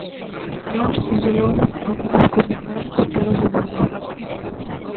Nós, desde logo, non imos comungar con rodas de muíño.